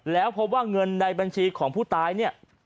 แล้วพบว่าเงินในบัญชีของผู้ตายเนี่ย